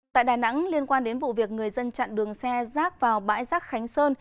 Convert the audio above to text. tại đà nẵng liên quan đến vụ việc người dân chặn đường xe rác vào bãi rác khánh sơn